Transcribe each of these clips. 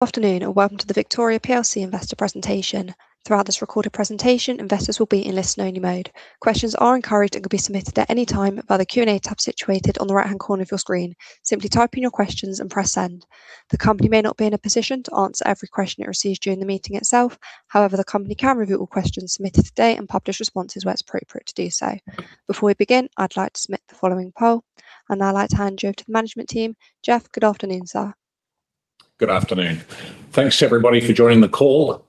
Afternoon, welcome to the Victoria PLC investor presentation. Throughout this recorded presentation, investors will be in listen only mode. Questions are encouraged and can be submitted at any time by the Q&A tab situated on the right-hand corner of your screen. Simply type in your questions and press send. The company may not be in a position to answer every question it receives during the meeting itself. However, the company can review all questions submitted today and publish responses where it's appropriate to do so. Before we begin, I'd like to submit the following poll, I'd like to hand you over to the management team. Geoff, good afternoon, sir. Good afternoon. Thanks, everybody for joining the call.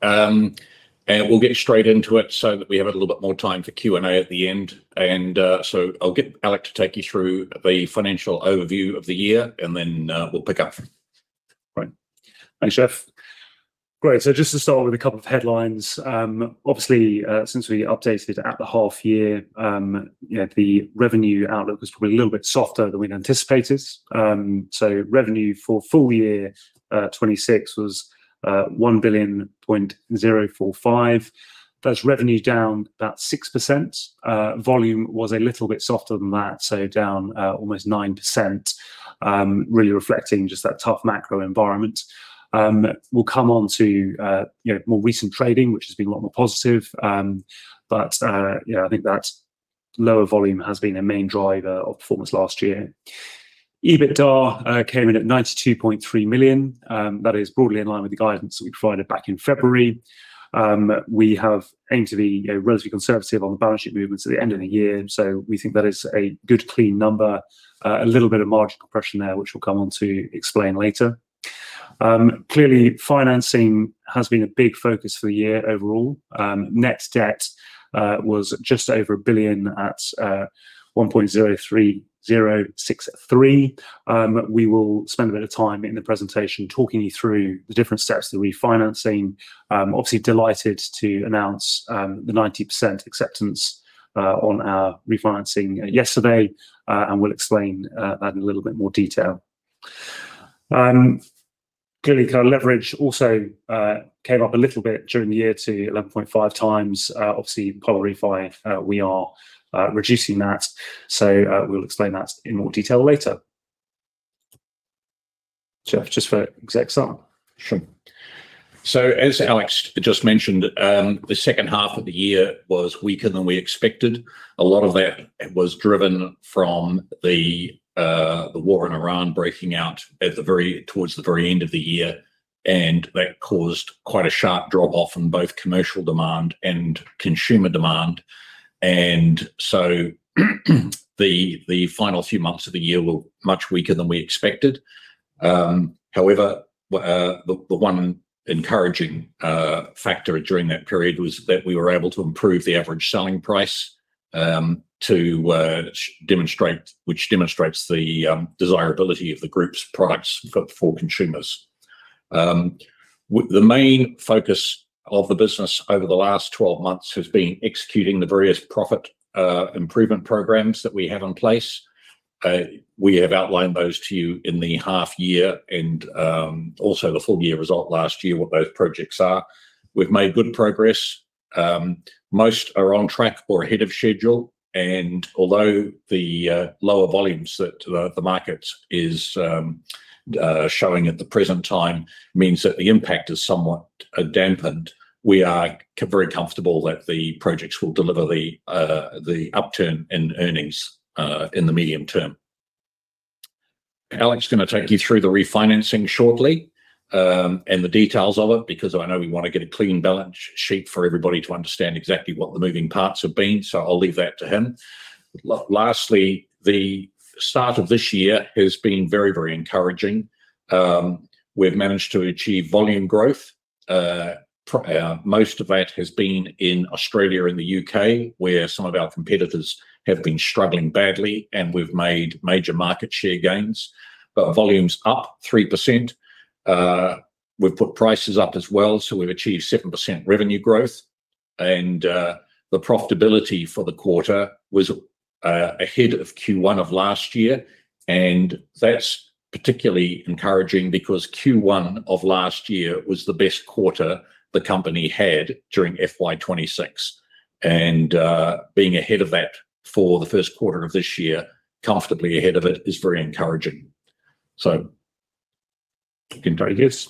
We'll get straight into it that we have a little bit more time for Q&A at the end. I'll get Alec to take you through the financial overview of the year, then we'll pick up. Right. Thanks, Geoff. Great, just to start with a couple of headlines. Obviously, since we updated at the half year, the revenue outlook was probably a little bit softer than we'd anticipated. Revenue for full year 2026 was 1.045 billion. That's revenue down about 6%. Volume was a little bit softer than that, down almost 9%, really reflecting just that tough macro environment. We'll come onto more recent trading, which has been a lot more positive. I think that lower volume has been a main driver of performance last year. EBITDA came in at 92.3 million. That is broadly in line with the guidance that we provided back in February. We have aimed to be relatively conservative on the balance sheet movements at the end of the year, we think that is a good clean number. A little bit of margin compression there, which we'll come on to explain later. Clearly, financing has been a big focus for the year overall. Net debt was just over a billion at 1.03063 billion. We will spend a bit of time in the presentation talking you through the different steps to refinancing. Obviously delighted to announce the 90% acceptance on our refinancing yesterday. We'll explain that in a little bit more detail. Clearly, kind of leverage also came up a little bit during the year to 11.5 times. Obviously post-refi, we are reducing that. We'll explain that in more detail later. Geoff, just for exec summary. Sure. As Alec just mentioned, the second half of the year was weaker than we expected. A lot of that was driven from the war in Iran breaking out towards the very end of the year, that caused quite a sharp drop-off in both commercial demand and consumer demand. The final few months of the year were much weaker than we expected. However, the one encouraging factor during that period was that we were able to improve the average selling price which demonstrates the desirability of the group's products for consumers. The main focus of the business over the last 12 months has been executing the various profit improvement programs that we have in place. We have outlined those to you in the half year and also the full year result last year, what those projects are. We've made good progress. Most are on track or ahead of schedule, although the lower volumes that the market is showing at the present time means that the impact is somewhat dampened, we are very comfortable that the projects will deliver the upturn in earnings in the medium term. Alec is going to take you through the refinancing shortly, the details of it, because I know we want to get a clean balance sheet for everybody to understand exactly what the moving parts have been, I'll leave that to him. Lastly, the start of this year has been very encouraging. We've managed to achieve volume growth. Most of that has been in Australia and the U.K., where some of our competitors have been struggling badly and we've made major market share gains. Volume's up 3%. We've put prices up as well, we've achieved 7% revenue growth and the profitability for the quarter was ahead of Q1 of last year. That's particularly encouraging because Q1 of last year was the best quarter the company had during FY 2026. Being ahead of that for the first quarter of this year, comfortably ahead of it, is very encouraging. You can take it, yes.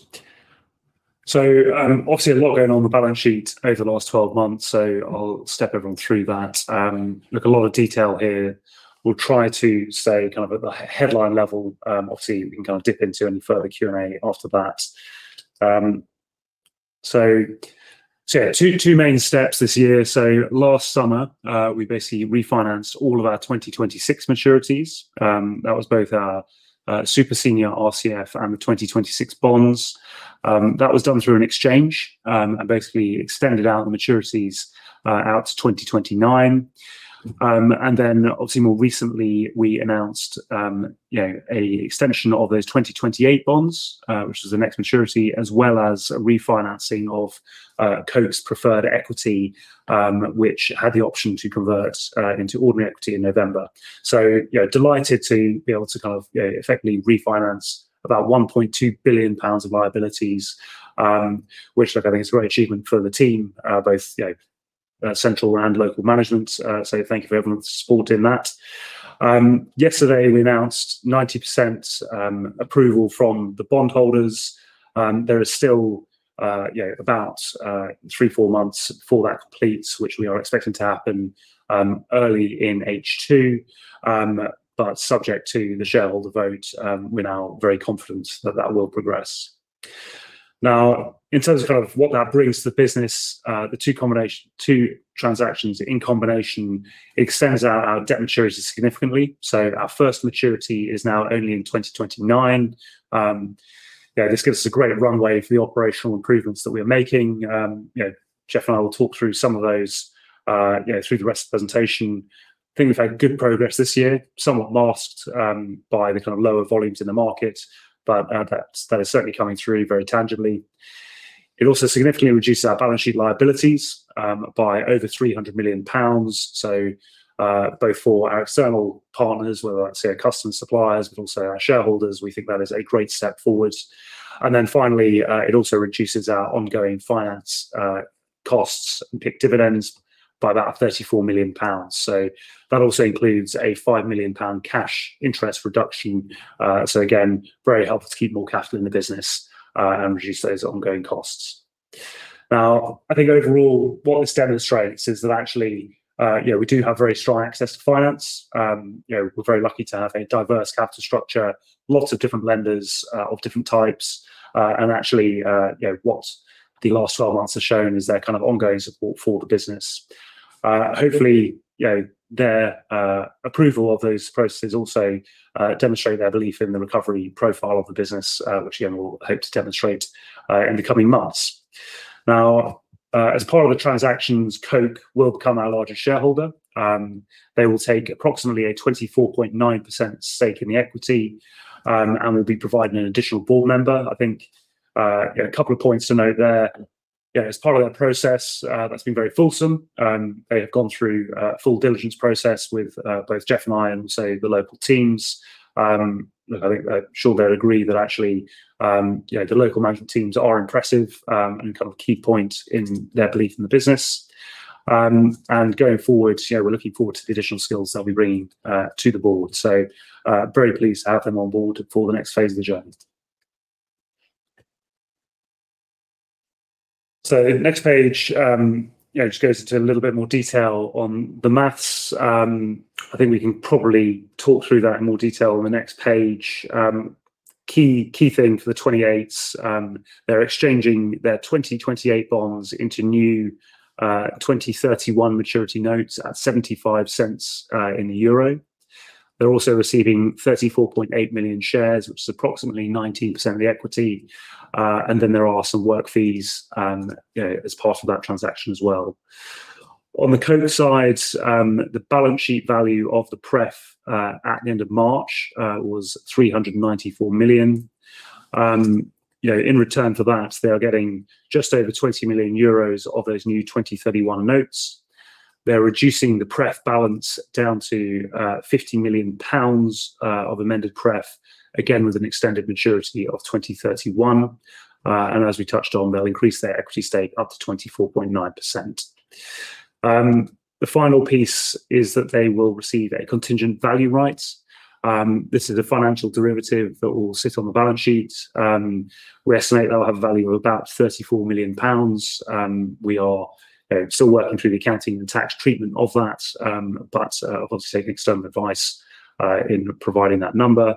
Obviously a lot going on the balance sheet over the last 12 months, I'll step everyone through that. Look, a lot of detail here. We'll try to stay at the headline level. Obviously, we can dip into any further Q&A after that. Two main steps this year. Last summer, we basically refinanced all of our 2026 maturities. That was both our super senior RCF and the 2026 bonds. That was done through an exchange, basically extended out the maturities out to 2029. More recently we announced an extension of those 2028 bonds, which is the next maturity, as well as a refinancing of Koch's preferred equity, which had the option to convert into ordinary equity in November. Delighted to be able to effectively refinance about 1.2 billion pounds of liabilities, which I think is a great achievement for the team. Both Central and local management. Thank you for everyone's support in that. Yesterday we announced 90% approval from the bondholders. There is still about three, four months before that completes, which we are expecting to happen early in H2. Subject to the shareholder vote, we are now very confident that that will progress. In terms of what that brings to the business, the two transactions in combination extends our debt maturities significantly. Our first maturity is now only in 2029. This gives us a great runway for the operational improvements that we are making. Geoff and I will talk through some of those through the rest of the presentation. I think we have had good progress this year, somewhat masked by the kind of lower volumes in the market, that is certainly coming through very tangibly. It also significantly reduces our balance sheet liabilities by over 300 million pounds. Both for our external partners, whether that is our customers, suppliers, but also our shareholders, we think that is a great step forward. Finally, it also reduces our ongoing finance costs and PIK dividends by about 34 million pounds. That also includes a 5 million pound cash interest reduction. Again, very helpful to keep more cash in the business and reduce those ongoing costs. I think overall what this demonstrates is that actually we do have very strong access to finance. We are very lucky to have a diverse capital structure, lots of different lenders of different types. Actually, what the last 12 months has shown is their kind of ongoing support for the business. Hopefully, their approval of those processes also demonstrate their belief in the recovery profile of the business, which again, we will hope to demonstrate in the coming months. As part of the transactions, Koch will become our largest shareholder. They will take approximately a 24.9% stake in the equity and will be providing an additional board member. I think a couple of points to note there. As part of that process, that has been very fulsome. They have gone through a full diligence process with both Geoff and I and also the local teams. I think I am sure they will agree that actually the local management teams are impressive and kind of key point in their belief in the business. Going forward, we are looking forward to the additional skills they will be bringing to the board. Very pleased to have them on board for the next phase of the journey. The next page just goes into a little bit more detail on the maths. I think we can probably talk through that in more detail on the next page. Key thing for the 2028, they are exchanging their 2028 bonds into new 2031 maturity notes at 0.75. They are also receiving 34.8 million shares, which is approximately 19% of the equity. There are some work fees as part of that transaction as well. On the Koch side, the balance sheet value of the pref at the end of March was 394 million. In return for that, they are getting just over 20 million euros of those new 2031 notes. They're reducing the pref balance down to 50 million pounds of amended pref, again with an extended maturity of 2031. As we touched on, they'll increase their equity stake up to 24.9%. The final piece is that they will receive a contingent value rights. This is a financial derivative that will sit on the balance sheet. We estimate that'll have a value of about 34 million pounds. We are still working through the accounting and tax treatment of that, but obviously taking external advice in providing that number.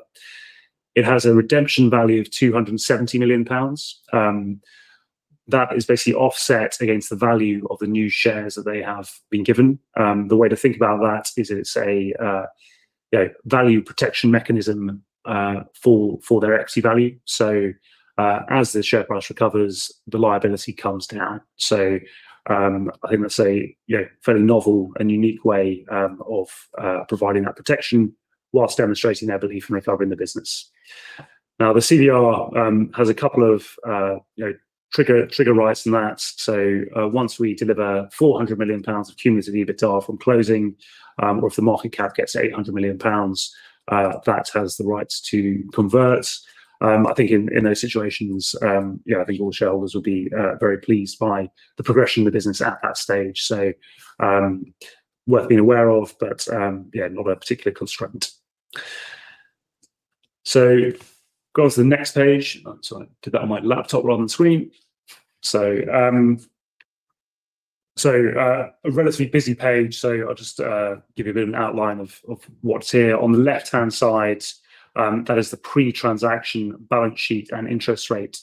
It has a redemption value of 270 million pounds. That is basically offset against the value of the new shares that they have been given. The way to think about that is it's a value protection mechanism for their equity value. As the share price recovers, the liability comes down. I think that's a fairly novel and unique way of providing that protection whilst demonstrating their belief and recovery in the business. Now, the CVR has a couple of trigger rights in that. Once we deliver 400 million pounds of cumulative EBITDA from closing, or if the market cap gets 800 million pounds, that has the rights to convert. I think in those situations, I think all shareholders will be very pleased by the progression of the business at that stage. Worth being aware of, but not a particular constraint. Go to the next page. Sorry, I did that on my laptop rather than screen. A relatively busy page. I'll just give you a bit of an outline of what's here. On the left-hand side, that is the pre-transaction balance sheet and interest rate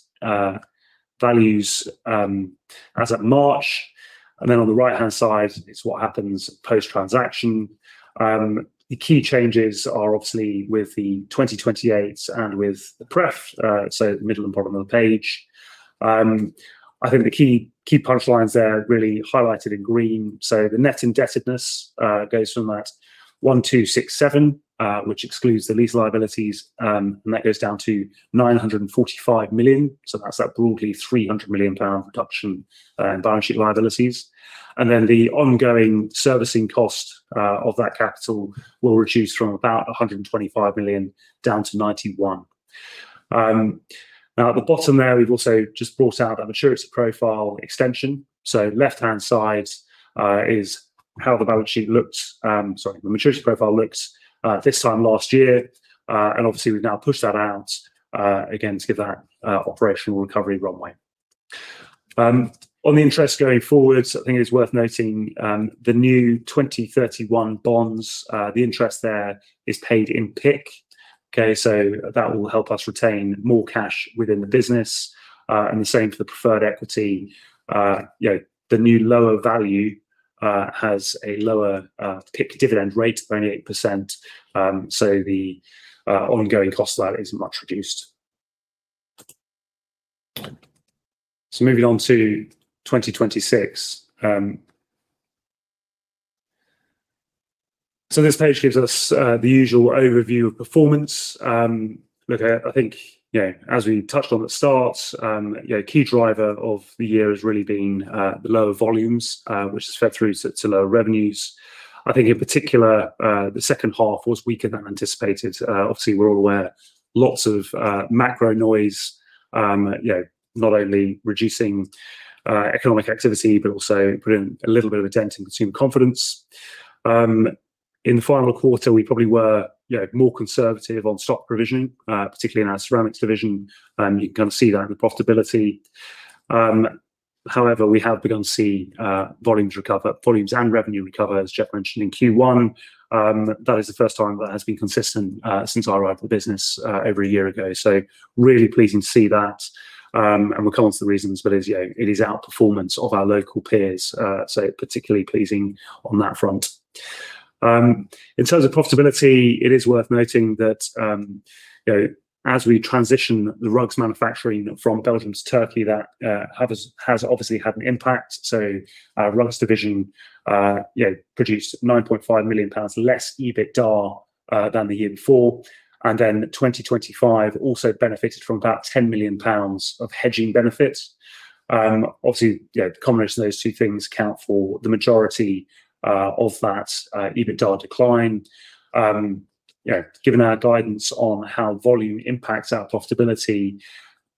values as at March. On the right-hand side, it's what happens post-transaction. The key changes are obviously with the 2028s and with the pref, so middle and bottom of the page. I think the key punchlines there are really highlighted in green. The net indebtedness goes from that 1,267, which excludes the lease liabilities, and that goes down to 945 million. That's that broadly 300 million pound reduction in balance sheet liabilities. Then the ongoing servicing cost of that capital will reduce from about 125 million down to 91 million. At the bottom there, we've also just brought out our maturity profile extension. Left-hand side is how the balance sheet looked, sorry, the maturity profile looked this time last year. Obviously we've now pushed that out again to give that operational recovery runway. On the interest going forward, something is worth noting, the new 2031 bonds, the interest there is paid in PIK. That will help us retain more cash within the business. The same for the preferred equity. The new lower value has a lower PIK dividend rate of only 8%, the ongoing cost of that is much reduced. Moving on to 2026. This page gives us the usual overview of performance. I think as we touched on at the start, key driver of the year has really been the lower volumes which has fed through to lower revenues. I think in particular the second half was weaker than anticipated. Obviously we're all aware, lots of macro noise, not only reducing economic activity, but also putting a little bit of a dent in consumer confidence. In the final quarter, we probably were more conservative on stock provision, particularly in our ceramics division. You can kind of see that in the profitability. However, we have begun to see volumes recover, volumes and revenue recover, as Geoff mentioned in Q1. That is the first time that has been consistent since I arrived at the business over a year ago, so really pleasing to see that. We'll come onto the reasons, but it is outperformance of our local peers so particularly pleasing on that front. In terms of profitability, it is worth noting that as we transition the rugs manufacturing from Belgium to Turkey, that has obviously had an impact. Our rugs division produced 9.5 million pounds less EBITDA than the year before. Then 2025 also benefited from about 10 million pounds of hedging benefits. Obviously, the combination of those two things account for the majority of that EBITDA decline. Given our guidance on how volume impacts our profitability,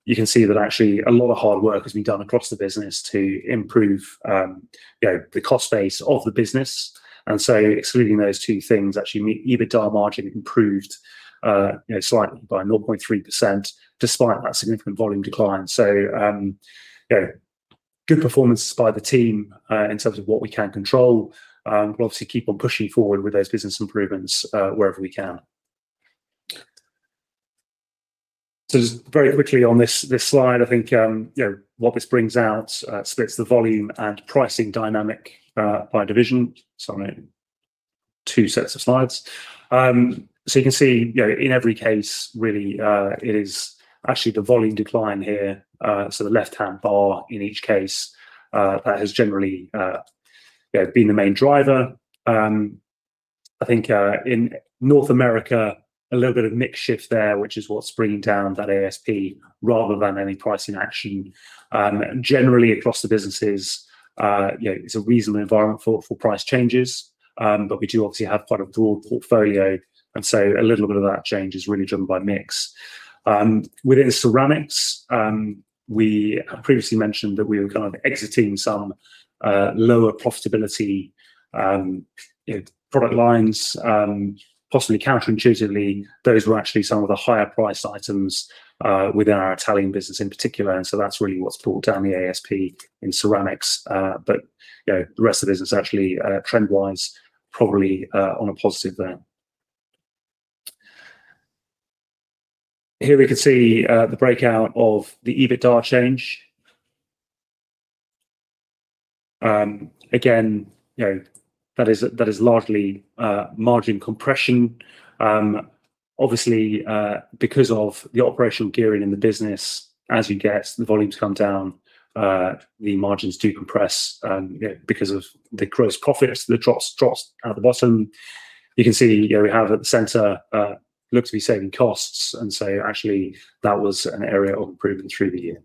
you can see that actually a lot of hard work has been done across the business to improve the cost base of the business. Excluding those two things actually, EBITDA margin improved slightly by 0.3% despite that significant volume decline. Good performance by the team in terms of what we can control. We'll obviously keep on pushing forward with those business improvements wherever we can. Just very quickly on this slide, I think what this brings out splits the volume and pricing dynamic by division. Sorry, two sets of slides. You can see in every case really it is actually the volume decline here, so the left-hand bar in each case that has generally been the main driver. I think in North America, a little bit of mix shift there, which is what's bringing down that ASP rather than any pricing action. Generally across the businesses, it's a reasonable environment for price changes. We do obviously have quite a broad portfolio, a little bit of that change is really driven by mix. Within ceramics, we previously mentioned that we were kind of exiting some lower profitability product lines. Possibly counterintuitively, those were actually some of the higher priced items within our Italian business in particular, that's really what's brought down the ASP in ceramics. The rest of the business actually trend-wise, probably on a positive there. Here we can see the breakout of the EBITDA change. Again, that is largely margin compression. Obviously, because of the operational gearing in the business, as you get the volumes come down, the margins do compress because of the gross profits, the drops at the bottom. You can see here we have at the center look to be saving costs actually that was an area of improvement through the year.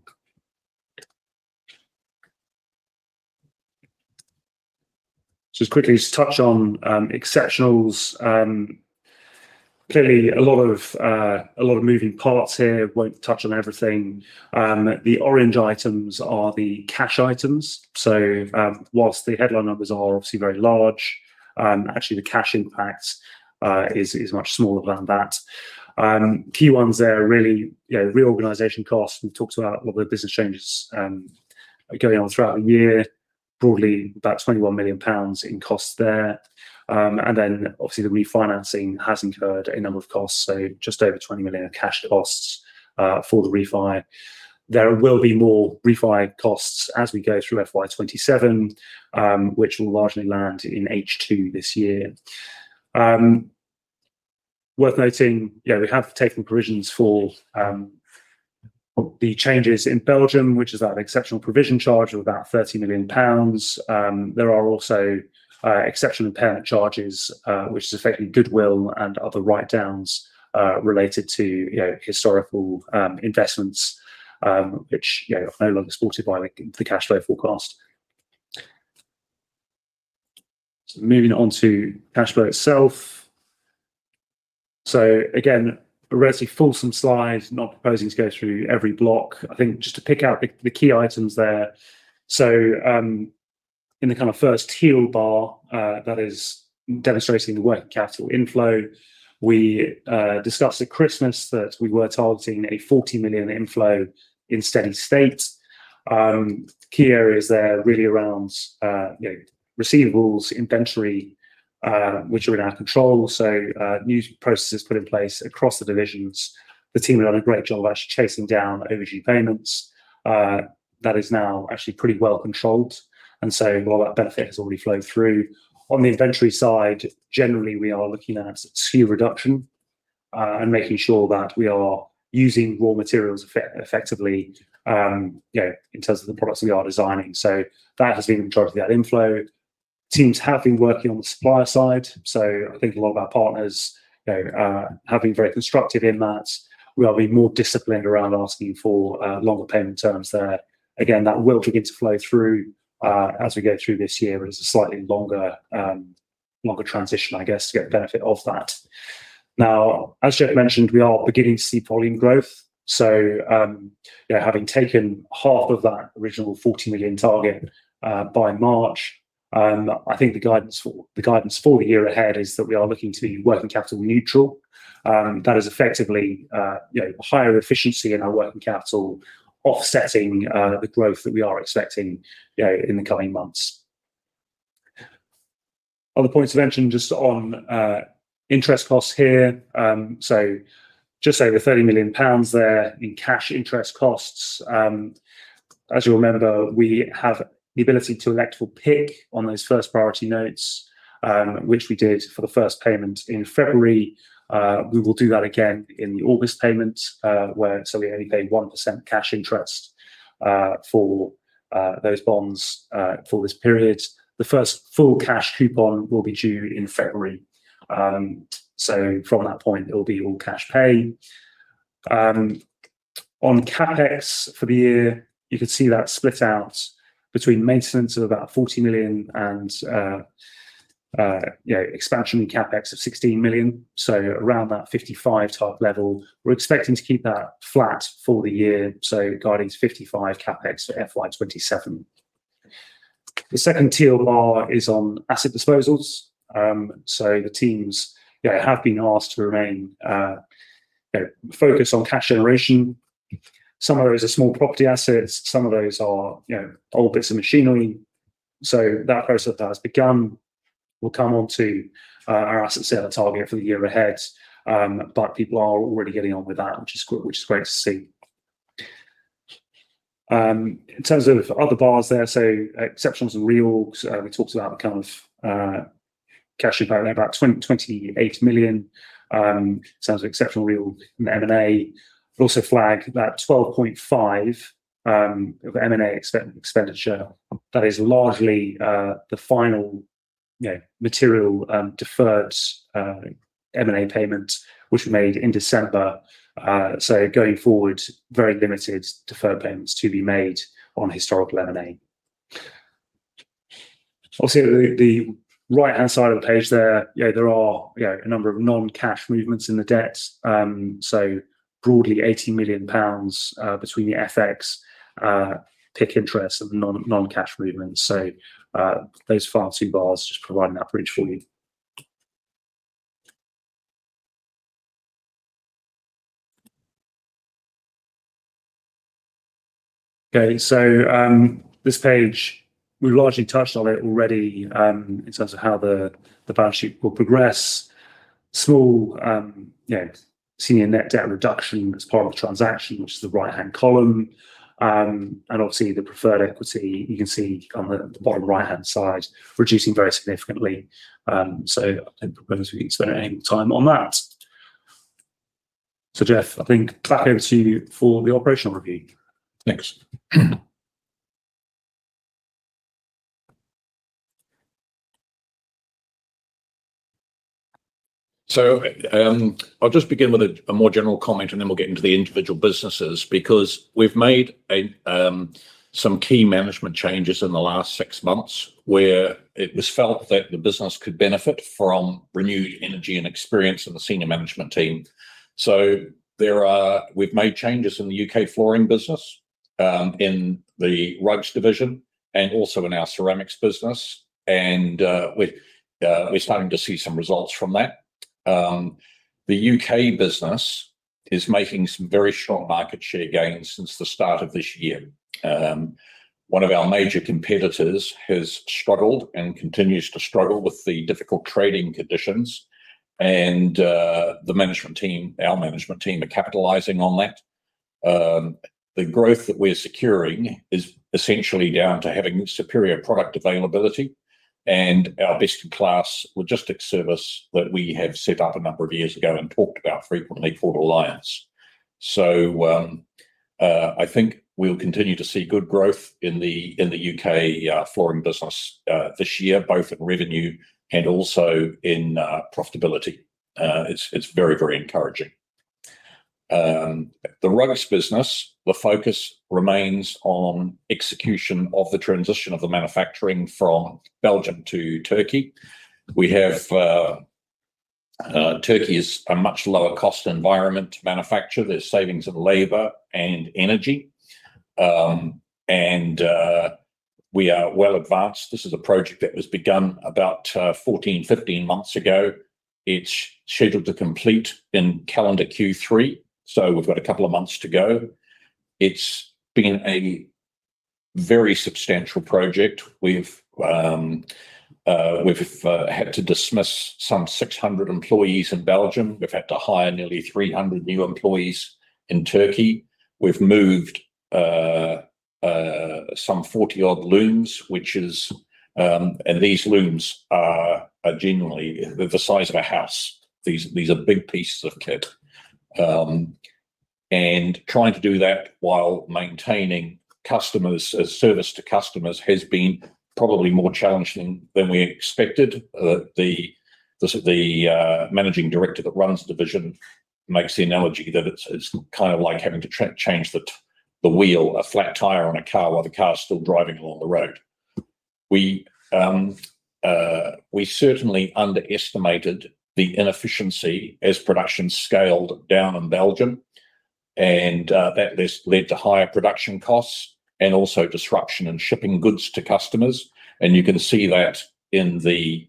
Just quickly to touch on exceptionals. Clearly a lot of moving parts here, won't touch on everything. The orange items are the cash items. Whilst the headline numbers are obviously very large, actually the cash impact is much smaller than that. Key ones there are really reorganization costs. We've talked about a lot of the business changes going on throughout the year, broadly about 21 million pounds in costs there. Then obviously the refinancing has incurred a number of costs, just over 20 million of cash costs for the refi. There will be more refi costs as we go through FY 2027, which will largely land in H2 this year. Worth noting, we have taken provisions for the changes in Belgium, which is that exceptional provision charge of about 30 million pounds. There are also exceptional impairment charges, which is effectively goodwill and other write-downs related to historical investments which are no longer supported by the cash flow forecast. Moving on to cash flow itself. Again, a relatively fulsome slide, not proposing to go through every block. I think just to pick out the key items there. In the kind of first teal bar, that is demonstrating the working capital inflow. We discussed at Christmas that we were targeting a 40 million inflow in steady state. Key areas there really around receivables, inventory, which are in our control. New processes put in place across the divisions. The team have done a great job of actually chasing down overdue payments. That is now actually pretty well-controlled. A lot of that benefit has already flowed through. On the inventory side, generally, we are looking at SKU reduction, and making sure that we are using raw materials effectively, in terms of the products we are designing. That has been the majority of that inflow. Teams have been working on the supplier side, I think a lot of our partners have been very constructive in that. We are being more disciplined around asking for longer payment terms there. That will begin to flow through as we go through this year, but it's a slightly longer transition, I guess, to get the benefit of that. As Geoff mentioned, we are beginning to see volume growth. Having taken half of that original 40 million target by March, I think the guidance for the year ahead is that we are looking to be working capital neutral. That is effectively higher efficiency in our working capital offsetting the growth that we are expecting in the coming months. Other points of mention just on interest costs here. Just over 30 million pounds there in cash interest costs. As you'll remember, we have the ability to elect for PIK on those first priority notes, which we did for the first payment in February. We will do that again in the August payment, so we only pay 1% cash interest for those bonds for this period. The first full cash coupon will be due in February. From that point, it will be all cash pay. On CapEx for the year, you can see that split out between maintenance of about 40 million and expansion in CapEx of 16 million, so around that 55 target level. We're expecting to keep that flat for the year, guiding to 55 CapEx for FY 2027. The second teal bar is on asset disposals. The teams have been asked to remain focused on cash generation. Some of those are small property assets, some of those are old bits of machinery. That process has begun. We'll come onto our asset sale target for the year ahead. People are already getting on with that, which is great to see. In terms of other bars there, exceptionals and reorgs, we talked about the kind of cash impact there, about 28 million. Sounds exceptional reorg in the M&A. Also flag that 12.5 of M&A expenditure. That is largely the final material deferred M&A payment, which we made in December. Going forward, very limited deferred payments to be made on historical M&A. Obviously, at the right-hand side of the page there are a number of non-cash movements in the debt. Broadly, 80 million pounds between the FX, PIK interest, and the non-cash movements. Those far two bars just provide that bridge for you. Okay. This page, we've largely touched on it already in terms of how the balance sheet will progress. Small senior net debt reduction as part of transaction, which is the right-hand column. Obviously, the preferred equity, you can see on the bottom right-hand side, reducing very significantly. I don't propose we spend any time on that. Geoff, I think back over to you for the operational review. Thanks. I'll just begin with a more general comment, and then we'll get into the individual businesses, because we've made some key management changes in the last six months where it was felt that the business could benefit from renewed energy and experience in the senior management team. We've made changes in the U.K. flooring business, in the Rugs division, and also in our ceramics business. We're starting to see some results from that. The U.K. business is making some very strong market share gains since the start of this year. One of our major competitors has struggled and continues to struggle with the difficult trading conditions. The management team, our management team, are capitalizing on that. The growth that we're securing is essentially down to having superior product availability and our best-in-class logistics service that we have set up a number of years ago and talked about frequently for Alliance. I think we'll continue to see good growth in the U.K. flooring business this year, both in revenue and also in profitability. It's very encouraging. The Rugs business, the focus remains on execution of the transition of the manufacturing from Belgium to Turkey. Turkey is a much lower cost environment to manufacture. There's savings in labor and energy. We are well advanced. This is a project that was begun about 14, 15 months ago. It's scheduled to complete in calendar Q3, so we've got a couple of months to go. It's been a very substantial project. We've had to dismiss some 600 employees in Belgium. We've had to hire nearly 300 new employees in Turkey. We've moved some 40-odd looms, and these looms are genuinely the size of a house. These are big pieces of kit. Trying to do that while maintaining service to customers has been probably more challenging than we expected. The managing director that runs the division makes the analogy that it's kind of like having to change the wheel, a flat tire on a car while the car's still driving along the road. We certainly underestimated the inefficiency as production scaled down in Belgium, and that led to higher production costs and also disruption in shipping goods to customers. You can see that in the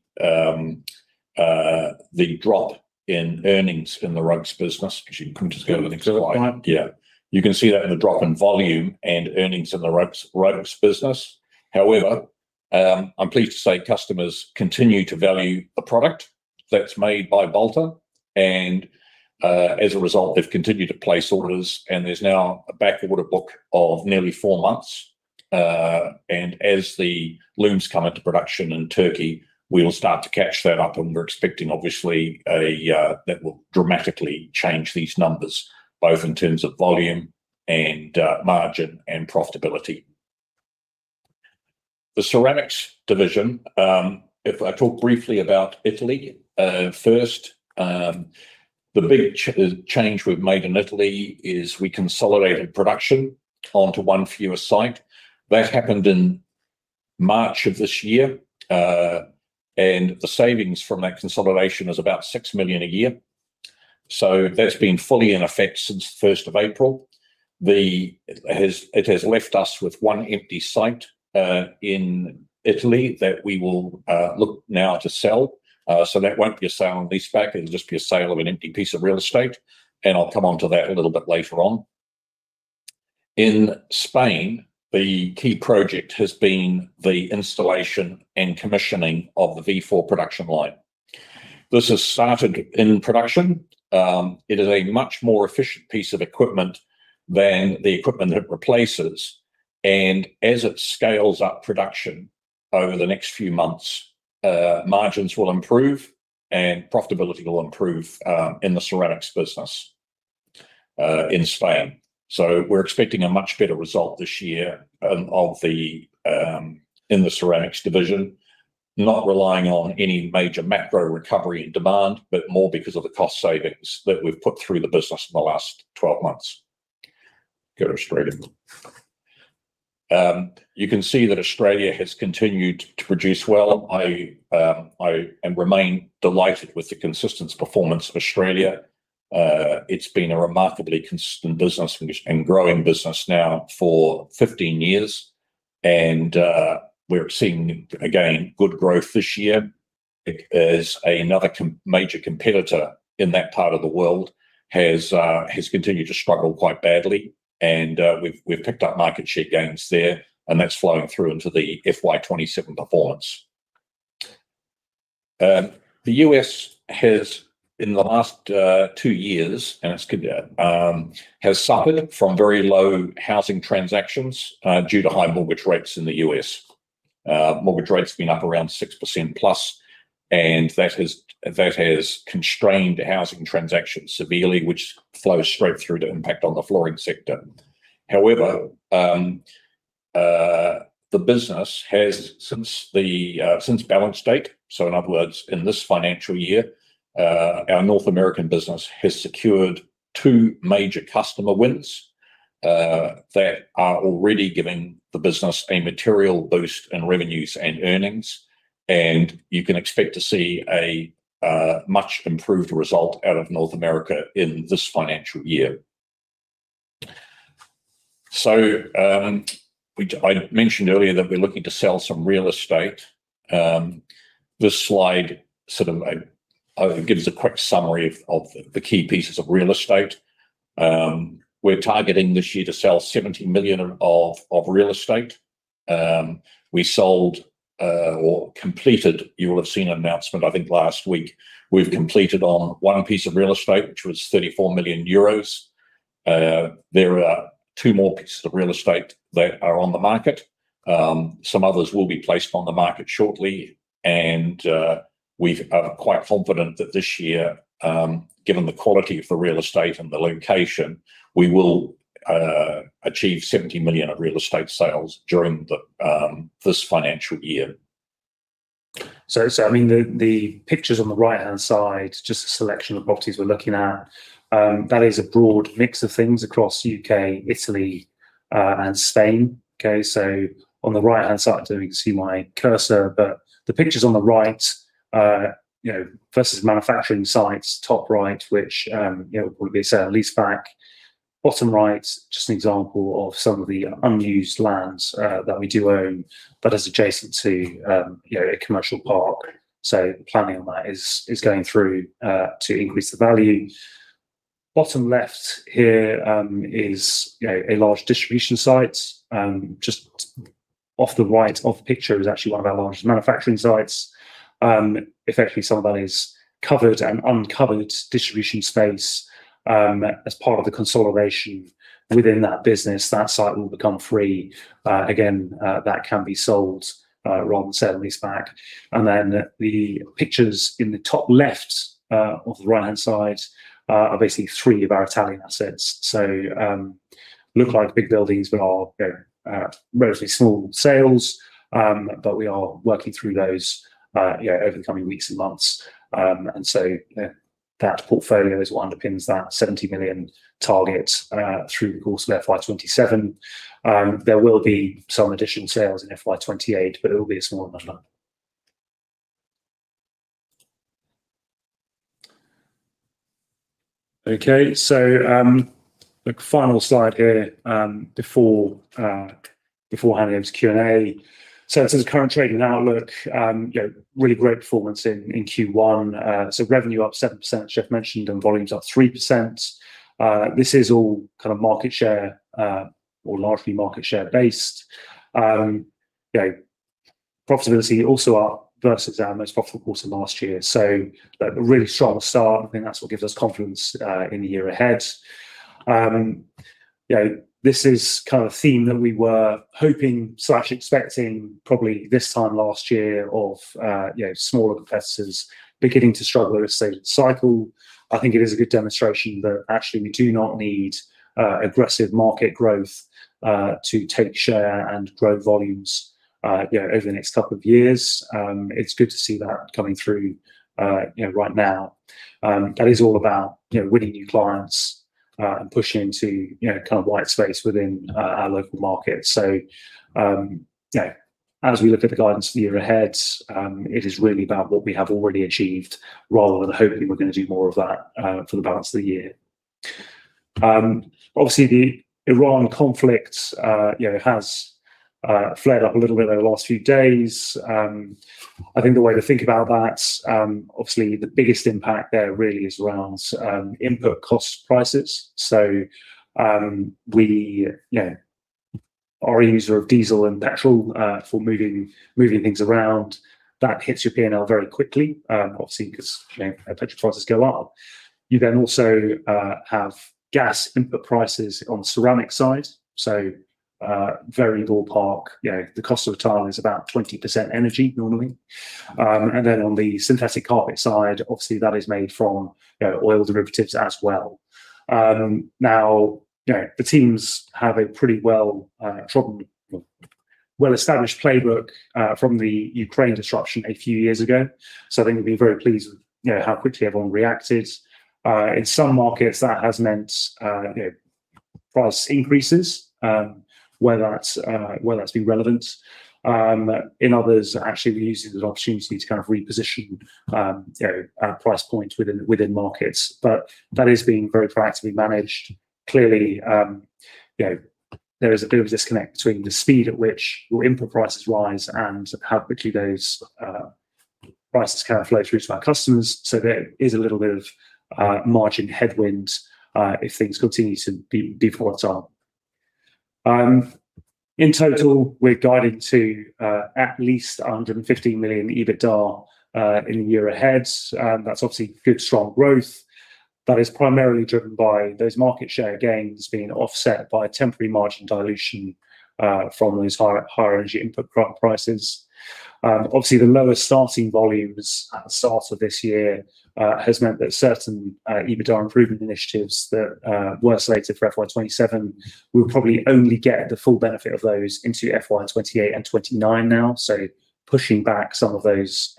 drop in earnings in the Rugs business because you couldn't just go to the next slide. Yeah. You can see that in the drop in volume and earnings in the Rugs business. I'm pleased to say customers continue to value the product that's made by Balta. As a result, they've continued to place orders, and there's now a back order book of nearly four months. As the looms come into production in Turkey, we'll start to catch that up and we're expecting, obviously, that will dramatically change these numbers, both in terms of volume and margin and profitability. The Ceramics division. I talk briefly about Italy first. The big change we've made in Italy is we consolidated production onto one fewer site. That happened in March of this year. The savings from that consolidation is about 6 million a year. That's been fully in effect since the 1st of April. It has left us with one empty site in Italy that we will look now to sell. That won't be a sale and leaseback. It'll just be a sale of an empty piece of real estate, and I'll come onto that a little bit later on. In Spain, the key project has been the installation and commissioning of the V4 production line. This has started in production. It is a much more efficient piece of equipment than the equipment it replaces, and as it scales up production over the next few months, margins will improve and profitability will improve, in the ceramics business, in Spain. We're expecting a much better result this year in the Ceramics division, not relying on any major macro recovery in demand, but more because of the cost savings that we've put through the business in the last 12 months. Go to Australia. You can see that Australia has continued to produce well. I remain delighted with the consistent performance of Australia. It's been a remarkably consistent business and growing business now for 15 years. We're seeing, again, good growth this year as another major competitor in that part of the world has continued to struggle quite badly. We've picked up market share gains there, and that's flowing through into the FY 2027 performance. The U.S. has, in the last two years, has suffered from very low housing transactions, due to high mortgage rates in the U.S. Mortgage rates have been up around 6%+, and that has constrained housing transactions severely, which flows straight through to impact on the flooring sector. The business has, since balance date, so in other words, in this financial year, our North American business has secured two major customer wins, that are already giving the business a material boost in revenues and earnings. You can expect to see a much-improved result out of North America in this financial year. I mentioned earlier that we're looking to sell some real estate. This slide sort of gives a quick summary of the key pieces of real estate. We're targeting this year to sell 70 million of real estate. We sold, or completed, you will have seen an announcement, I think, last week. We've completed on one piece of real estate, which was 34 million euros. There are two more pieces of real estate that are on the market. Some others will be placed on the market shortly. We're quite confident that this year, given the quality of the real estate and the location, we will achieve 70 million of real estate sales during this financial year. The pictures on the right-hand side, just a selection of properties we're looking at. That is a broad mix of things across U.K., Italy, and Spain. On the right-hand side, I don't know if you can see my cursor, but the pictures on the right, versus manufacturing sites, top right, which will probably be a sale leaseback. Bottom right, just an example of some of the unused lands that we do own, that is adjacent to a commercial park. Planning on that is going through to increase the value. Bottom left here is a large distribution site. Just off the right of the picture is actually one of our largest manufacturing sites. Effectively, some of that is covered and uncovered distribution space. As part of the consolidation within that business, that site will become free. Again, that can be sold rather than a sale and leaseback. The pictures in the top left of the right-hand side are basically three of our Italian assets. Look like big buildings, but are relatively small sales. We are working through those over the coming weeks and months. That portfolio is what underpins that 70 million target through the course of FY 2027. There will be some additional sales in FY 2028, it will be a smaller number. The final slide here before handing over to Q&A. This is current trading outlook. Really great performance in Q1. Revenue up 7%, as Geoff mentioned, and volumes up 3%. This is all kind of market share, or largely market share based. Profitability also up versus our most profitable quarter last year. A really strong start. I think that's what gives us confidence in the year ahead. This is kind of a theme that we were hoping/expecting probably this time last year of smaller competitors beginning to struggle as the cycle. I think it is a good demonstration that actually we do not need aggressive market growth to take share and grow volumes over the next couple of years. It's good to see that coming through right now. That is all about winning new clients, and pushing into kind of white space within our local market. As we look at the guidance for the year ahead, it is really about what we have already achieved rather than hoping we're going to do more of that for the balance of the year. Obviously, the Iran conflict has flared up a little bit over the last few days. I think the way to think about that, obviously the biggest impact there really is around input cost prices. We are a user of diesel and petrol for moving things around. That hits your P&L very quickly, obviously, because petrol prices go up. You then also have gas input prices on the ceramic side. Very ballpark, the cost of a tile is about 20% energy normally. On the synthetic carpet side, obviously that is made from oil derivatives as well. The teams have a pretty well-established playbook from the Ukraine disruption a few years ago. I think we've been very pleased with how quickly everyone reacted. In some markets that has meant price increases, where that's been relevant. In others, actually we used it as an opportunity to kind of reposition our price points within markets. That is being very proactively managed. Clearly, there is a bit of a disconnect between the speed at which your input prices rise and how quickly those prices kind of flow through to our customers. There is a little bit of margin headwind if things continue to default up. In total, we're guiding to at least 115 million EBITDA in the year ahead. That's obviously good, strong growth that is primarily driven by those market share gains being offset by temporary margin dilution from those higher energy input prices. Obviously, the lower starting volumes at the start of this year has meant that certain EBITDA improvement initiatives that were slated for FY 2027, we'll probably only get the full benefit of those into FY 2028 and 2029 now. Pushing back some of those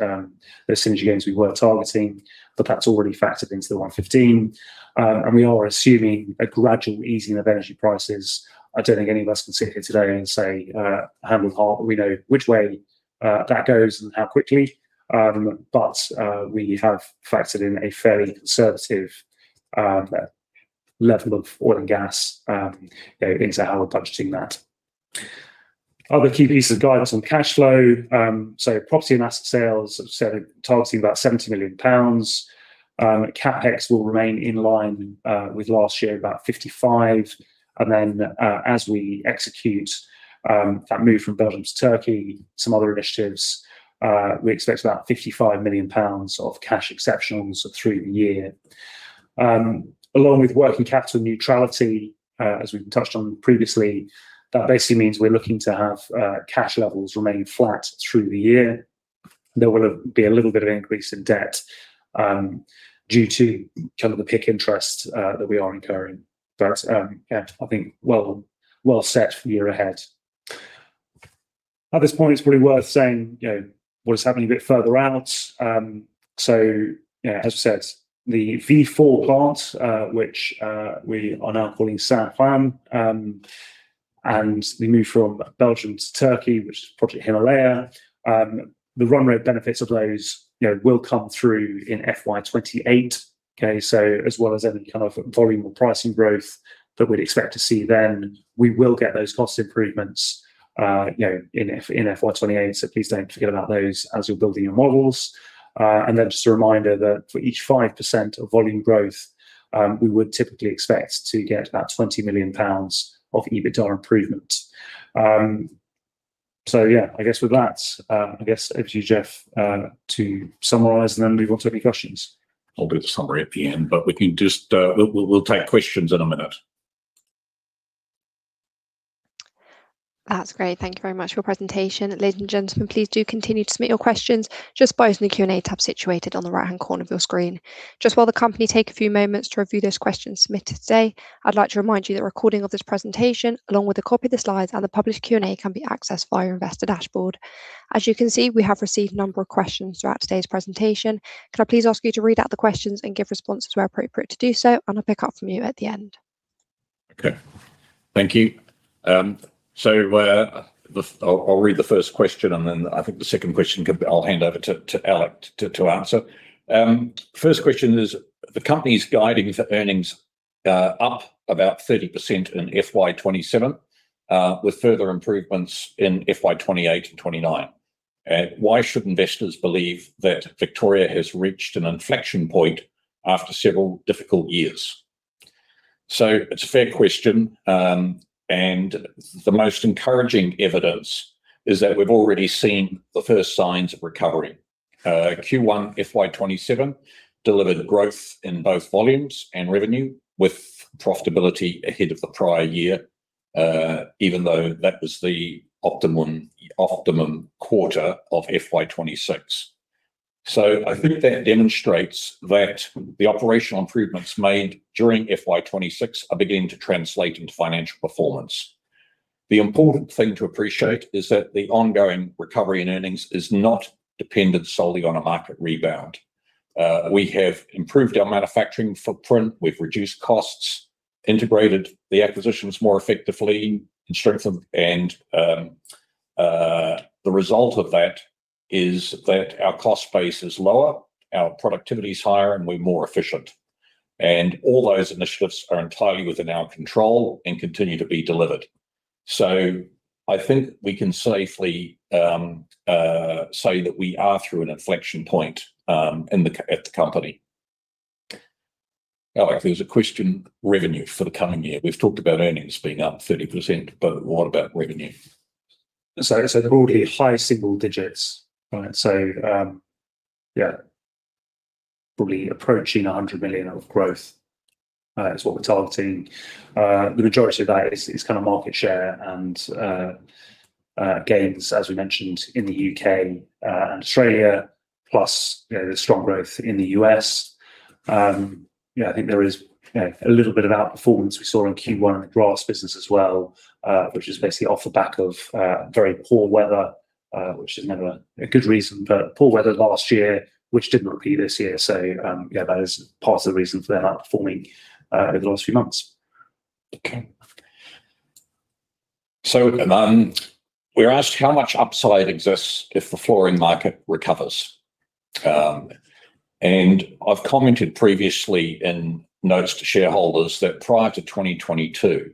synergy gains we were targeting, but that's already factored into the 115 million. We are assuming a gradual easing of energy prices. I don't think any of us can sit here today and say with 100% heart that we know which way that goes and how quickly. We have factored in a fairly conservative level of oil and gas into how we're budgeting that. Other key pieces of guidance on cash flow. Property and asset sales, as I said, are targeting about 70 million pounds. CapEx will remain in line with last year, about 55 million. As we execute that move from Belgium to Turkey, some other initiatives, we expect about 55 million pounds of cash exceptionals through the year. Along with working capital neutrality, as we touched on previously, that basically means we're looking to have cash levels remain flat through the year. There will be a little bit of an increase in debt due to kind of the PIK interest that we are incurring. At this point, it's probably worth saying what is happening a bit further out. As we said, the V4 plant, which we are now calling Saint-Quentin, and the move from Belgium to Turkey, which is Project Himalaya. The run rate benefits of those will come through in FY 2028. As well as any kind of volume or pricing growth that we'd expect to see, then we will get those cost improvements in FY 2028. Please don't forget about those as you're building your models. Just a reminder that for each 5% of volume growth, we would typically expect to get about 20 million pounds of EBITDA improvement. I guess with that, over to you, Geoff, to summarize and then move on to any questions. I'll do the summary at the end, we'll take questions in a minute. That's great. Thank you very much for your presentation. Ladies and gentlemen, please do continue to submit your questions just by using the Q&A tab situated on the right-hand corner of your screen. Just while the company take a few moments to review those questions submitted today, I'd like to remind you that a recording of this presentation, along with a copy of the slides and the published Q&A, can be accessed via your investor dashboard. As you can see, we have received a number of questions throughout today's presentation. Could I please ask you to read out the questions and give responses where appropriate to do so, I'll pick up from you at the end. Okay. Thank you. I'll read the first question, I think the second question, I'll hand over to Alec to answer. First question is, "The company's guiding for earnings up about 30% in FY 2027, with further improvements in FY 2028 and 2029. Why should investors believe that Victoria has reached an inflection point after several difficult years?" It's a fair question, the most encouraging evidence is that we've already seen the first signs of recovery. Q1 FY 2027 delivered growth in both volumes and revenue, with profitability ahead of the prior year, even though that was the optimum quarter of FY 2026. I think that demonstrates that the operational improvements made during FY 2026 are beginning to translate into financial performance. The important thing to appreciate is that the ongoing recovery in earnings is not dependent solely on a market rebound. We have improved our manufacturing footprint, we've reduced costs, integrated the acquisitions more effectively and strengthened, the result of that is that our cost base is lower, our productivity's higher, and we're more efficient. All those initiatives are entirely within our control and continue to be delivered. I think we can safely say that we are through an inflection point at the company. Alec, there's a question, revenue for the coming year. We've talked about earnings being up 30%, what about revenue? I said earlier, high single digits. Yeah, probably approaching 100 million of growth. That's what we're targeting. The majority of that is market share and gains, as we mentioned in the U.K. and Australia, plus the strong growth in the U.S. I think there is a little bit of outperformance we saw in Q1 in the grass business as well, which is basically off the back of very poor weather, which is never a good reason, but poor weather last year, which didn't repeat this year. That is part of the reason for that outperforming over the last few months. Okay. We're asked how much upside exists if the flooring market recovers. I've commented previously in notes to shareholders that prior to 2022,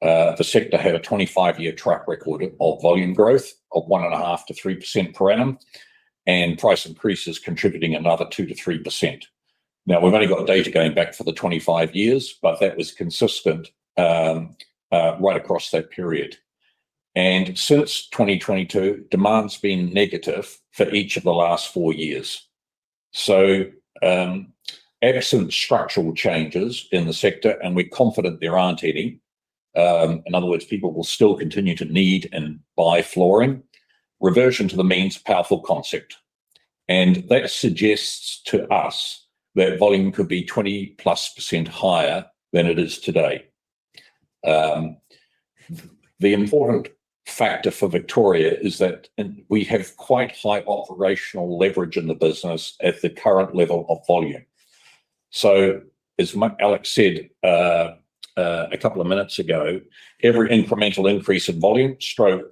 the sector had a 25-year track record of volume growth of 1.5%-3% per annum, and price increases contributing another 2%-3%. We've only got data going back for the 25 years, but that was consistent right across that period. Since 2022, demand's been negative for each of the last four years. Absent structural changes in the sector, and we're confident there aren't any, in other words, people will still continue to need and buy flooring. Reversion to the mean is a powerful concept, and that suggests to us that volume could be 20%+ higher than it is today. The important factor for Victoria is that we have quite high operational leverage in the business at the current level of volume. As Alec said a couple of minutes ago, every incremental increase in volume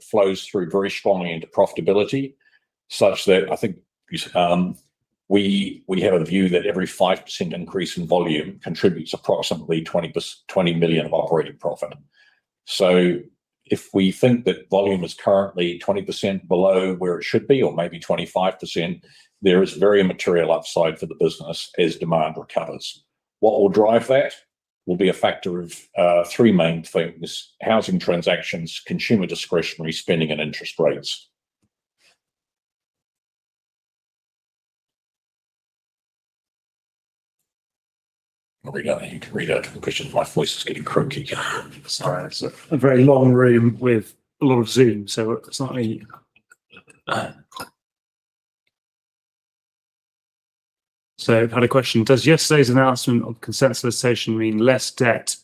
flows through very strongly into profitability, such that I think we have a view that every 5% increase in volume contributes approximately 20 million of operating profit. If we think that volume is currently 20% below where it should be, or maybe 25%, there is very material upside for the business as demand recovers. What will drive that will be a factor of three main things: housing transactions, consumer discretionary spending, and interest rates. There we go. You can read out the question. My voice is getting croaky. Sorry. It's a very long room with a lot of Zoom, so it's not me. I've had a question: Does yesterday's announcement of consent solicitation mean less debt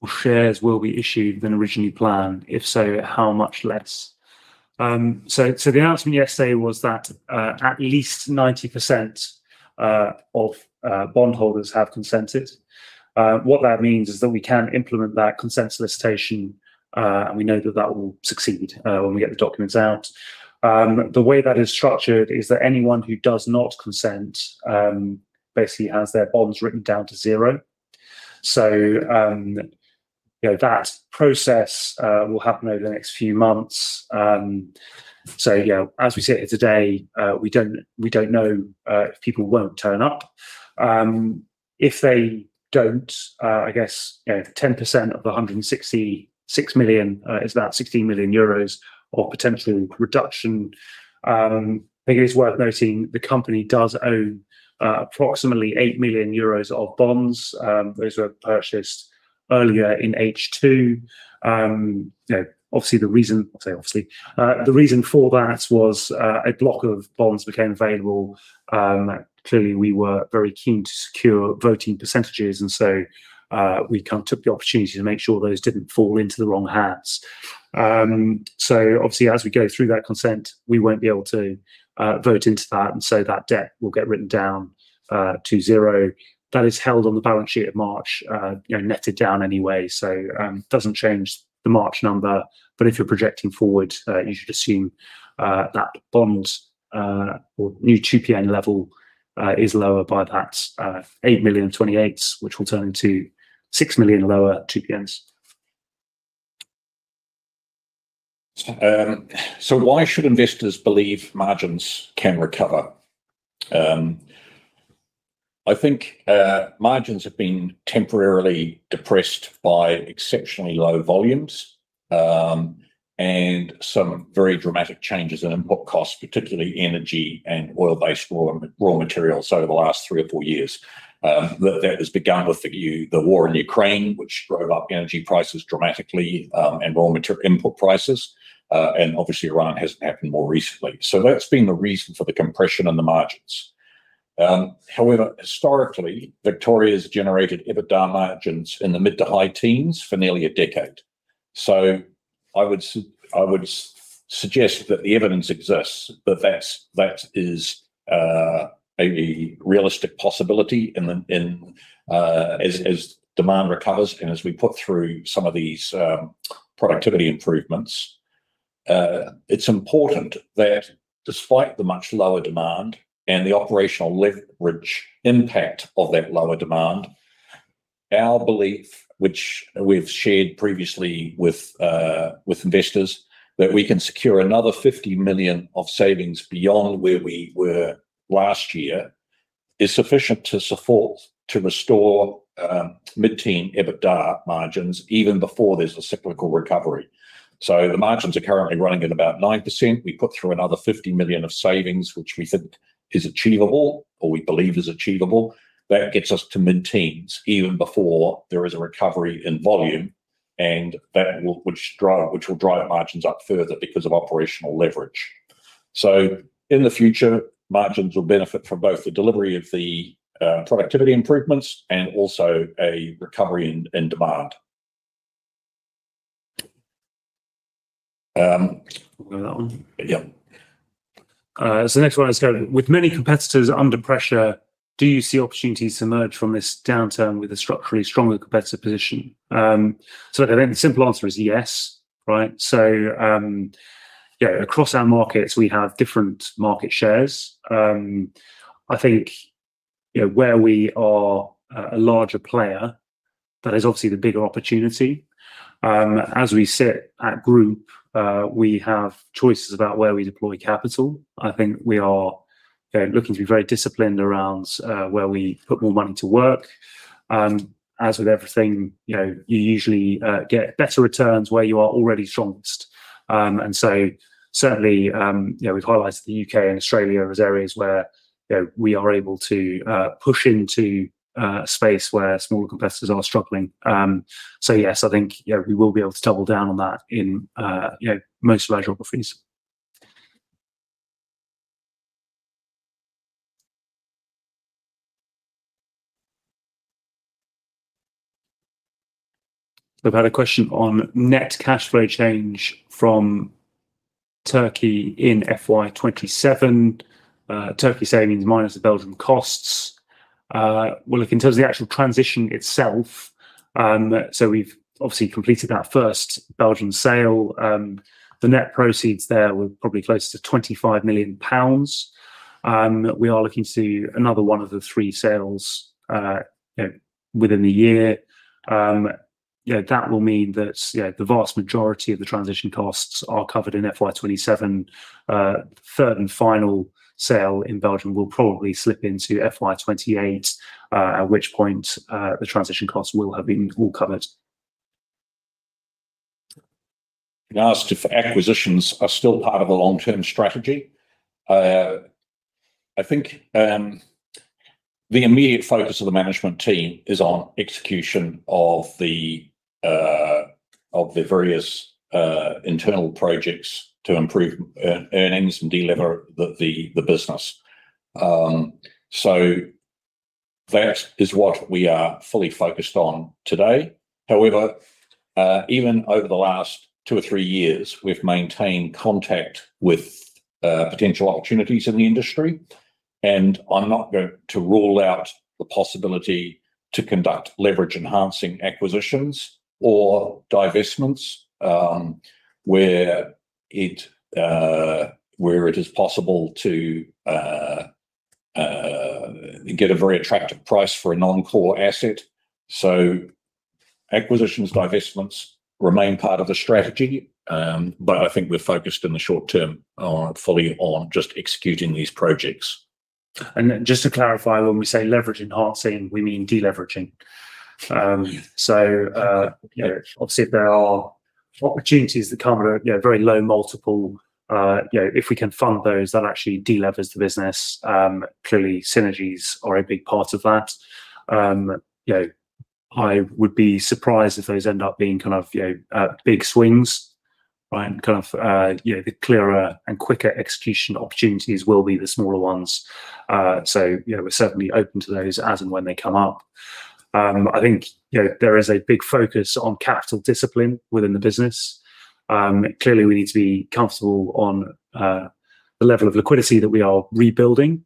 or shares will be issued than originally planned? If so, how much less? The announcement yesterday was that at least 90% of bondholders have consented. What that means is that we can implement that consent solicitation, and we know that that will succeed when we get the documents out. The way that is structured is that anyone who does not consent basically has their bonds written down to zero. That process will happen over the next few months. Yeah, as we sit here today, we don't know if people won't turn up. If they don't, I guess 10% of the 166 million is about 16 million euros of potential reduction. I think it is worth noting the company does own approximately 8 million euros of bonds. Those were purchased earlier in H2. The reason for that was a block of bonds became available. Clearly we were very keen to secure voting percentages. We took the opportunity to make sure those didn't fall into the wrong hands. As we go through that consent, we won't be able to vote into that. That debt will get written down to zero. That is held on the balance sheet at March netted down anyway. It doesn't change the March number, but if you're projecting forward, you should assume that bonds or new TPN level is lower by that 8,000,028, which will turn into 6 million lower TPNs. Why should investors believe margins can recover? I think margins have been temporarily depressed by exceptionally low volumes, and some very dramatic changes in input costs, particularly energy and oil-based raw materials over the last three or four years. That has begun with the war in Ukraine, which drove up energy prices dramatically, and raw material input prices. Iran has happened more recently. That's been the reason for the compression on the margins. However, historically Victoria's generated EBITDA margins in the mid to high teens for nearly a decade. I would suggest that the evidence exists that is a realistic possibility as demand recovers and as we put through some of these productivity improvements. It's important that despite the much lower demand and the operational leverage impact of that lower demand, our belief, which we've shared previously with investors, that we can secure another 50 million of savings beyond where we were last year, is sufficient to support, to restore mid-teen EBITDA margins even before there's a cyclical recovery. The margins are currently running at about 9%. We put through another 50 million of savings, which we think is achievable or we believe is achievable. That gets us to mid-teens even before there is a recovery in volume, which will drive margins up further because of operational leverage. In the future, margins will benefit from both the delivery of the productivity improvements and also a recovery in demand. Want me to go with that one? Yeah. The next one is: With many competitors under pressure, do you see opportunities to emerge from this downturn with a structurally stronger competitive position? Look, I think the simple answer is yes. Right? Across our markets, we have different market shares. I think where we are a larger player, that is obviously the bigger opportunity. As we sit at Group, we have choices about where we deploy capital. I think we are looking to be very disciplined around where we put more money to work. As with everything, you usually get better returns where you are already strongest. Certainly, we've highlighted the U.K. and Australia as areas where we are able to push into a space where smaller competitors are struggling. Yes, I think we will be able to double down on that in most of our geographies. We've had a question on net cash flow change from Turkey in FY 2027. Turkey savings minus the Belgium costs. Look, in terms of the actual transition itself, we've obviously completed that first Belgium sale. The net proceeds there were probably closer to 25 million pounds. We are looking to see another one of the three sales within the year. That will mean that the vast majority of the transition costs are covered in FY 2027. Third and final sale in Belgium will probably slip into FY 2028, at which point the transition costs will have been all covered. Been asked if acquisitions are still part of the long-term strategy. I think the immediate focus of the management team is on execution of the various internal projects to improve earnings and de-lever the business. That is what we are fully focused on today. However, even over the last two or three years, we've maintained contact with potential opportunities in the industry, I'm not going to rule out the possibility to conduct leverage-enhancing acquisitions or divestments, where it is possible to get a very attractive price for a non-core asset. Acquisitions, divestments remain part of the strategy. I think we're focused in the short term fully on just executing these projects. Just to clarify, when we say leverage enhancing, we mean de-leveraging. Yeah. Obviously if there are opportunities that come at a very low multiple, if we can fund those, that actually de-levers the business. Clearly, synergies are a big part of that. I would be surprised if those end up being big swings, right. The clearer and quicker execution opportunities will be the smaller ones. We're certainly open to those as and when they come up. I think there is a big focus on capital discipline within the business. We need to be comfortable on the level of liquidity that we are rebuilding.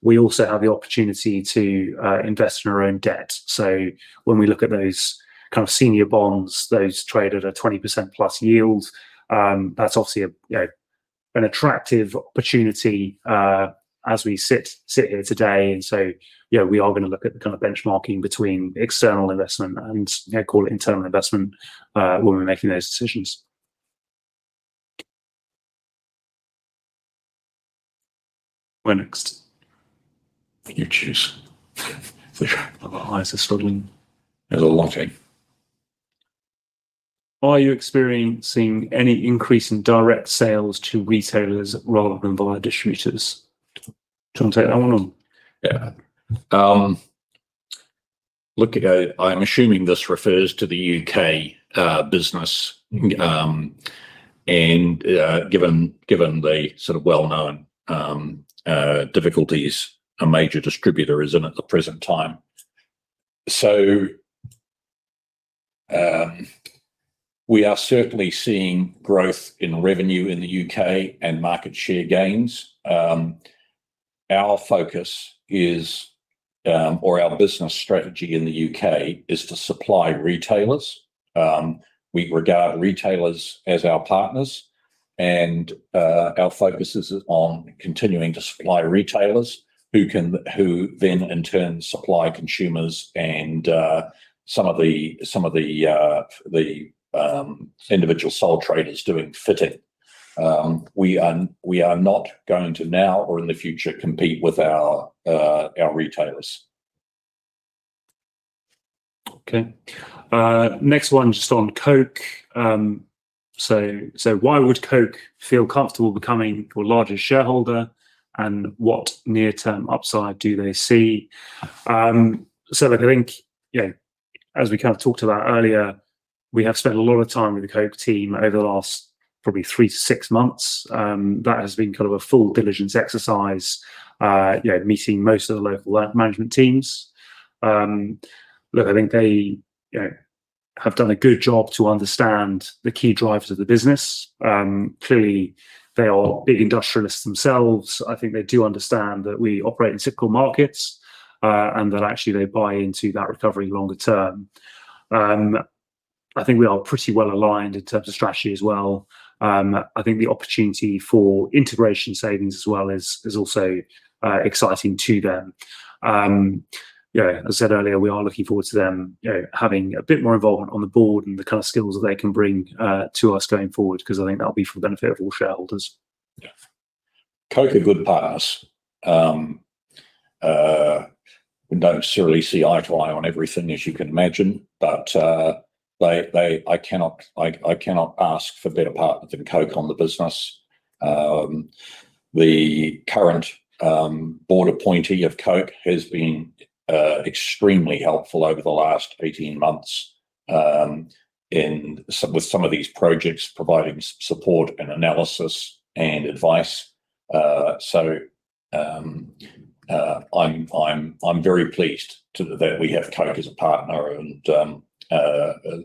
We also have the opportunity to invest in our own debt. When we look at those kind of senior bonds, those trade at a 20% plus yield. That's obviously an attractive opportunity as we sit here today. We are going to look at the kind of benchmarking between external investment and call it internal investment, when we're making those decisions. Where next? You choose. My eyes are struggling. There's a lot here. Are you experiencing any increase in direct sales to retailers rather than via distributors? Do you want to take that one on? Yeah. Look, I'm assuming this refers to the U.K. business. Given the sort of well-known difficulties a major distributor is in at the present time. We are certainly seeing growth in revenue in the U.K. and market share gains. Our focus is, or our business strategy in the U.K. is to supply retailers. We regard retailers as our partners and our focus is on continuing to supply retailers who then in turn supply consumers and some of the individual sole traders doing fitting. We are not going to now or in the future compete with our retailers. Okay. Next one, just on Koch. Why would Koch feel comfortable becoming your largest shareholder? What near-term upside do they see? Look, I think as we kind of talked about earlier, we have spent a lot of time with the Koch team over the last, probably three to six months. That has been kind of a full diligence exercise. Meeting most of the local management teams. Look, I think they have done a good job to understand the key drivers of the business. Clearly they are big industrialists themselves. I think they do understand that we operate in cyclical markets, and that actually they buy into that recovery longer term. I think we are pretty well-aligned in terms of strategy as well. I think the opportunity for integration savings as well is also exciting to them. As I said earlier, we are looking forward to them having a bit more involvement on the board and the kind of skills that they can bring to us going forward because I think that'll be for the benefit of all shareholders. Koch are good partners. We don't necessarily see eye to eye on everything, as you can imagine. I cannot ask for better partners than Koch on the business. The current board appointee of Koch has been extremely helpful over the last 18 months with some of these projects providing support and analysis and advice. I'm very pleased that we have Koch as a partner and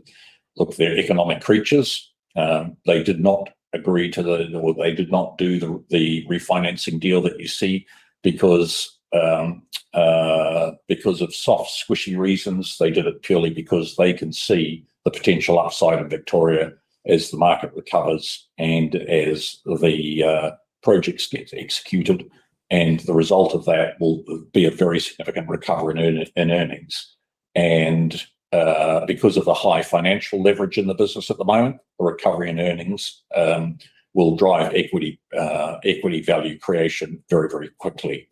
look, they're economic creatures. They did not agree to the, or they did not do the refinancing deal that you see because of soft, squishy reasons. They did it purely because they can see the potential upside of Victoria as the market recovers and as the projects get executed. The result of that will be a very significant recovery in earnings. Because of the high financial leverage in the business at the moment, the recovery in earnings will drive equity value creation very, very quickly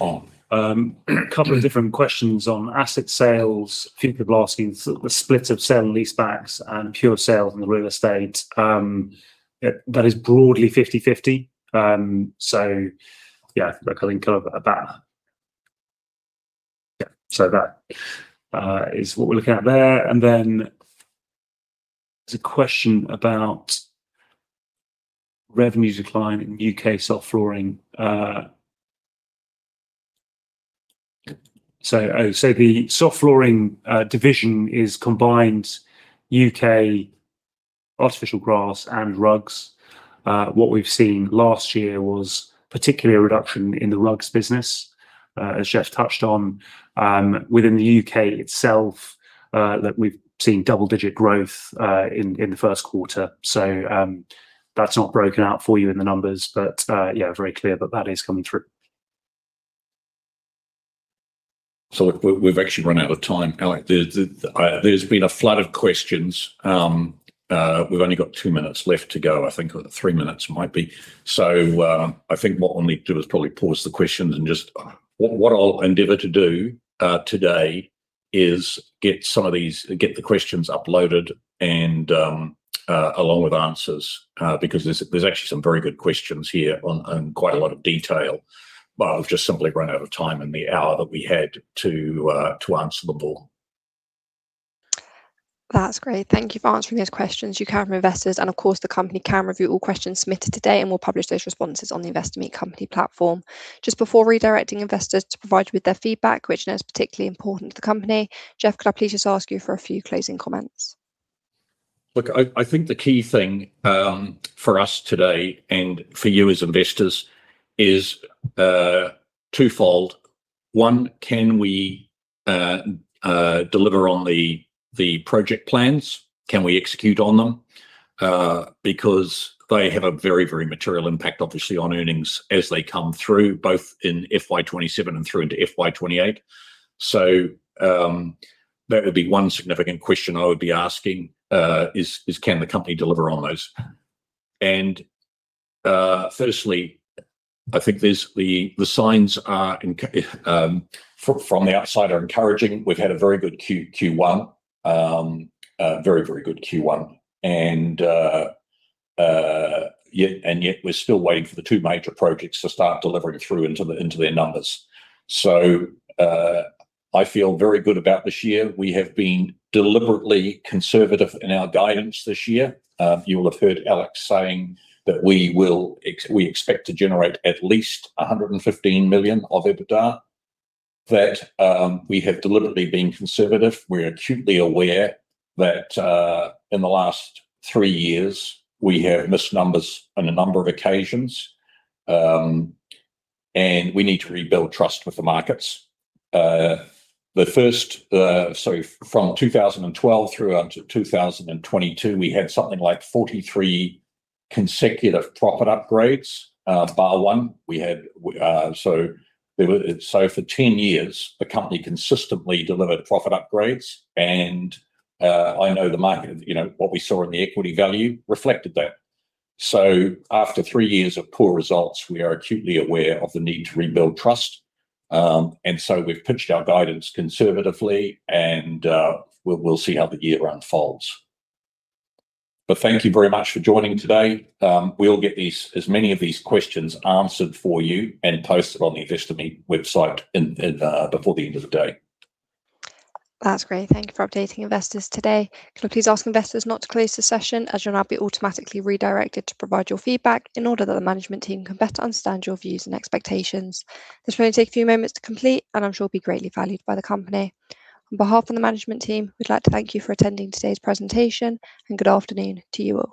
on. A couple of different questions on asset sales. A few people asking sort of the split of sale and leasebacks and pure sales in the real estate. That is broadly 50/50. That is what we're looking at there. There's a question about revenues decline in U.K. Soft Flooring. The Soft Flooring division is combined U.K. artificial grass and rugs. What we've seen last year was particularly a reduction in the rugs business, as Geoff touched on. Within the U.K. itself, that we've seen double-digit growth in the first quarter. That's not broken out for you in the numbers, but very clear that that is coming through. Look, we've actually run out of time, Alec. There's been a flood of questions. We've only got two minutes left to go, I think, or three minutes might be. I think what we'll need to do is probably pause the questions and just, what I'll endeavor to do today is get the questions uploaded and along with answers, because there's actually some very good questions here and quite a lot of detail. We've just simply run out of time in the hour that we had to answer them all. That's great. Thank you for answering those questions. You can, investors, and of course, the company can review all questions submitted today, and we'll publish those responses on the InvestorMeet company platform. Just before redirecting investors to provide with their feedback, which we know is particularly important to the company, Geoff, could I please just ask you for a few closing comments? Look, I think the key thing for us today and for you as investors is twofold. One, can we deliver on the project plans? Can we execute on them? Because they have a very material impact, obviously, on earnings as they come through, both in FY 2027 and through into FY 2028. That would be one significant question I would be asking is, can the company deliver on those? Firstly, I think the signs from the outside are encouraging. We've had a very good Q1. A very good Q1, and yet we're still waiting for the two major projects to start delivering through into their numbers. I feel very good about this year. We have been deliberately conservative in our guidance this year. You will have heard Alec saying that we expect to generate at least 115 million of EBITDA, that we have deliberately been conservative. We're acutely aware that in the last three years, we have missed numbers on a number of occasions. We need to rebuild trust with the markets. From 2012 through until 2022, we had something like 43 consecutive profit upgrades, bar one. For 10 years, the company consistently delivered profit upgrades and I know the market, what we saw in the equity value reflected that. After three years of poor results, we are acutely aware of the need to rebuild trust. We've pitched our guidance conservatively and we'll see how the year unfolds. Thank you very much for joining today. We'll get as many of these questions answered for you and posted on the InvestorMeet website before the end of the day. That's great. Thank you for updating investors today. Can I please ask investors not to close the session, as you'll now be automatically redirected to provide your feedback in order that the management team can better understand your views and expectations. This will only take a few moments to complete and I'm sure will be greatly valued by the company. On behalf of the management team, we'd like to thank you for attending today's presentation and good afternoon to you all.